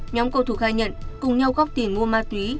nhóm cầu thủ khai nhận cùng nhau góp tiền mua ma túy